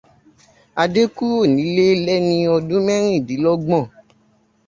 Adé kúrò nílé lẹ́ni ọdún mẹ́rìndínlọ́gbọ̀n.